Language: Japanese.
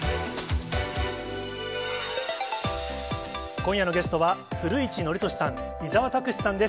今夜のゲストは、古市憲寿さん、伊沢拓司さんです。